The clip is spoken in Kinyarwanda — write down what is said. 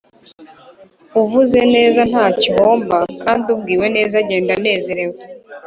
uvuze neza ntacyo uhomba kandi ubwiwe neza agenda anezerewe.